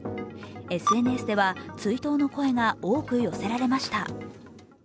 ＳＮＳでは、追悼の声が多く寄せられました。